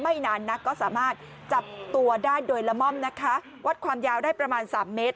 นานนักก็สามารถจับตัวได้โดยละม่อมนะคะวัดความยาวได้ประมาณสามเมตร